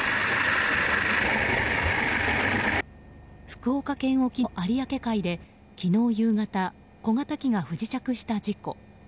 福岡県沖の有明海で昨日夕方小型機が不時着した事故。